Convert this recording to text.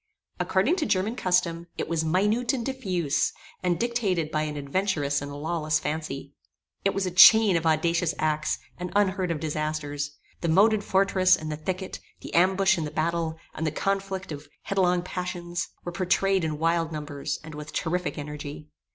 According to German custom, it was minute and diffuse, and dictated by an adventurous and lawless fancy. It was a chain of audacious acts, and unheard of disasters. The moated fortress, and the thicket; the ambush and the battle; and the conflict of headlong passions, were pourtrayed in wild numbers, and with terrific energy.